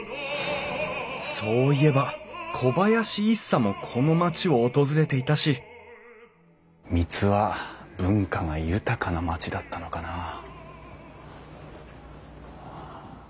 そういえば小林一茶もこの町を訪れていたし三津は文化が豊かな町だったのかな。